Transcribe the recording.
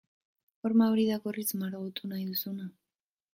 Horma hori da gorriz margotu nahi duzuna?